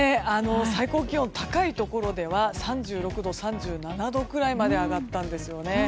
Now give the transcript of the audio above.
最高気温、高いところでは３６度、３７度ぐらいまで上がったんですよね。